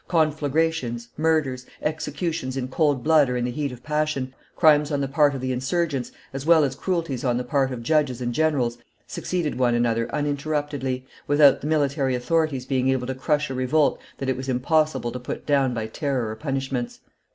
Conflagrations, murders, executions in cold blood or in the heat of passion, crimes on the part of the insurgents, as well as cruelties on the part of judges and generals, succeeded one another uninterruptedly, without the military authorities being able to crush a revolt that it was impossible to put down by terror or punishments.